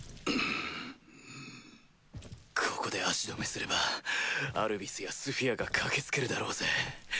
ここで足止めすればアルビスやスフィアが駆け付けるだろうぜ。